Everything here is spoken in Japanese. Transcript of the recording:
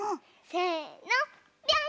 せのぴょん！